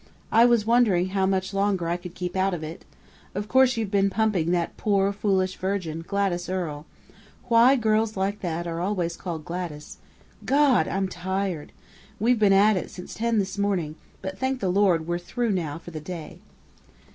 "I was wondering how much longer I could keep out of it.... Of course you've been pumping that poor, foolish virgin Gladys Earle.... Why girls who look like that are always called Gladys God! I'm tired! We've been at it since ten this morning, but thank the Lord we're through now for the day."